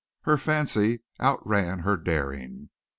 Her fancy outran her daring.